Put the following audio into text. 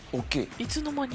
いつの間に。